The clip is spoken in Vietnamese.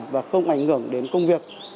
và không ảnh hưởng đến công việc